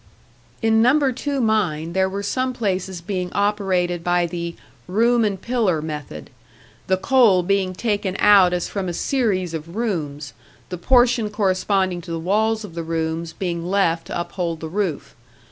In Number Two mine there were some places being operated by the "room and pillar" method; the coal being taken out as from a series of rooms, the portion corresponding to the walls of the rooms being left to uphold the roof.